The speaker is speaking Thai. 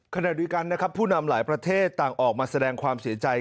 ขณะเดียวกันนะครับผู้นำหลายประเทศต่างออกมาแสดงความเสียใจ